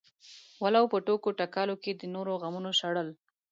ولو په ټوکو ټکالو کې د نورو غمونه شړل.